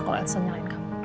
kalau elsa nyalahin kamu